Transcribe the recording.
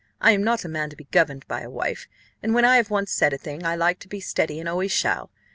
I am not a man to be governed by a wife, and when I have once said a thing, I like to be steady and always shall.